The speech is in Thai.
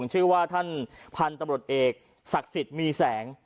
ชื่อว่าท่านพันธุ์ตำรวจเอกศักดิ์สิทธิ์มีแสง